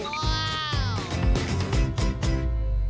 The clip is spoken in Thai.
ว้าว